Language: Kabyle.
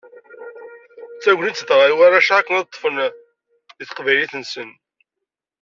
D tagnit ladɣa i warrac-a akken ad ṭṭfen di teqbaylit-nsen.